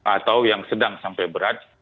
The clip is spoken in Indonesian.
atau yang sedang sampai berat